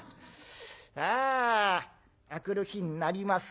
ああ明くる日になります。